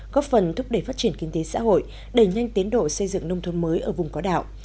góp phần thúc đẩy phát triển kinh tế xã hội đẩy nhanh tiến độ xây dựng nông thôn mới ở vùng có đạo